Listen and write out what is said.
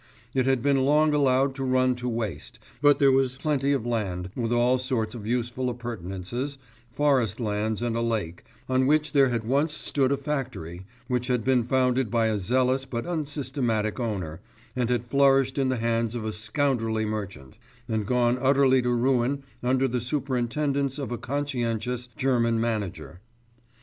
It had been long allowed to run to waste, but there was plenty of land, with all sorts of useful appurtenances, forest lands and a lake, on which there had once stood a factory, which had been founded by a zealous but unsystematic owner, and had flourished in the hands of a scoundrelly merchant, and gone utterly to ruin under the superintendence of a conscientious German manager.